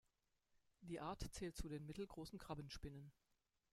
Die Art zählt zu den mittelgroßen Krabbenspinnen.